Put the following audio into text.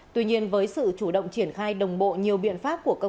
tuy nhiên với sự chủ động triển khai đồng bộ nhiều biện pháp của các nơi